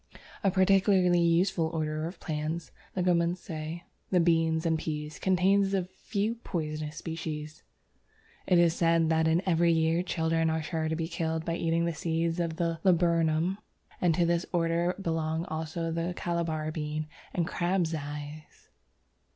A particularly useful order of plants (Leguminosæ), the Beans and Peas, contains a few poisonous species. It is said that in every year children are sure to be killed by eating the seeds of the Laburnum, and to this order belong also the Calabar Bean and Crab's Eyes.